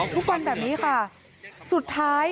ทุกวันแบบนี้ค่ะ